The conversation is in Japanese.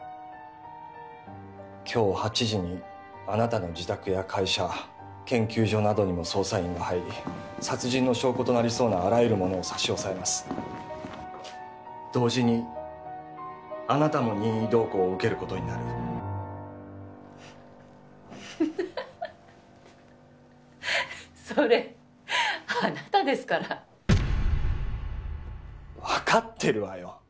今日８時にあなたの自宅や会社研究所などにも捜査員が入り殺人の証拠となりそうなあらゆるものを差し押さえます同時にあなたも任意同行を受けることになるフッフフフそれあなたですから分かってるわよ